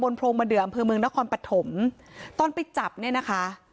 โรงมะเดืออำเภอเมืองนครปฐมตอนไปจับเนี่ยนะคะ